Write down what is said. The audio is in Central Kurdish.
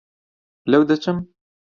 لەو دەچم؟